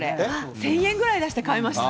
１０００円ぐらい出して買いました。